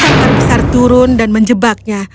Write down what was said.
sebuah sangkar besar turun dan menjebaknya